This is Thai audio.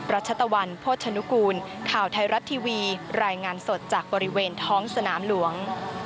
รัชตะวันโภชนุกูลข่าวไทยรัฐทีวีรายงานสดจากบริเวณท้องสนามหลวง